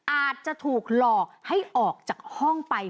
อาจจะถูกหลอกให้ออกจากห้องไป